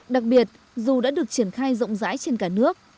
đặc biệt dù đã được triển khai rộng rãi trên cả nước